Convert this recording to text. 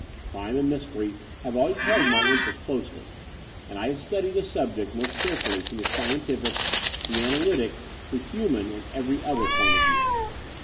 Crime and mystery have always held my interest closely; and I have studied the subject most carefully from the scientific, the analytic, the human, and every other point of view.